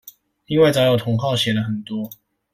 因為早有同好寫了很多